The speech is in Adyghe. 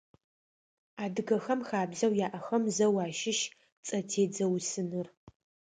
Адыгэхэм хабзэу яӀэхэм зэу ащыщ цӀэтедзэ усыныр.